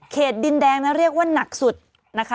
ดินแดงนั้นเรียกว่าหนักสุดนะคะ